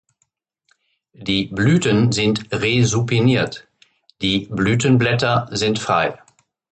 Die Blüten sind resupiniert, die Blütenblätter sind frei.